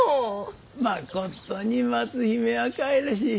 まことに松姫はかいらしい。